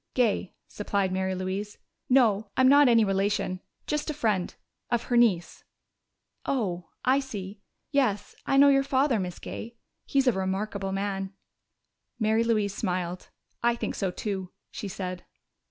"Gay," supplied Mary Louise. "No, I'm not any relation. Just a friend of her niece." "Oh, I see.... Yes, I know your father, Miss Gay. He is a remarkable man." Mary Louise smiled. "I think so too," she said.